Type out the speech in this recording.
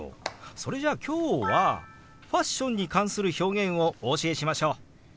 それじゃあ今日はファッションに関する表現をお教えしましょう！